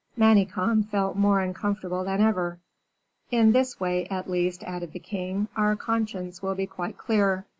Manicamp felt more uncomfortable than ever. "In this way, at least," added the king, "our conscience will be quite clear."